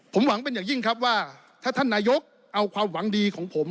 ผมหวังเป็นอย่างยิ่งครับว่าถ้าท่านนายกเอาความหวังดีของผม